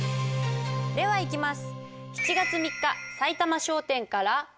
ではいきます。